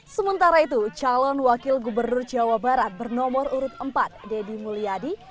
sementara itu calon wakil gubernur jawa barat bernomor urut empat deddy mulyadi